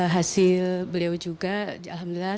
hasil beliau juga alhamdulillah